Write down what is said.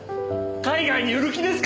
海外に売る気ですか？